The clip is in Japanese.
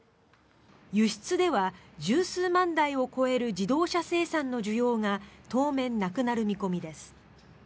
輸出では１０数万台を超える自動車生産の需要が当面なくなる見込みです。